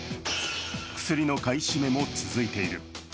薬の買い占めも続いている。